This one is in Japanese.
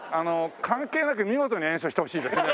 関係なく見事に演奏してほしいですね。